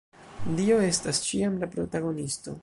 Dio estas ĉiam la protagonisto.